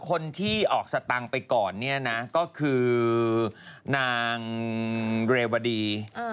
คนที่ออกสตางค์ไปก่อนเนี่ยนะก็คือนางเรวดี